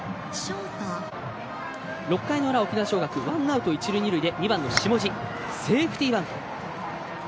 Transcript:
６回の裏、沖縄尚学ワンアウト、一塁二塁で２番の下地がセーフティーバント。